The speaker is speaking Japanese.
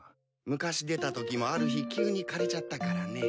昔出たときもある日急に枯れちゃったからね。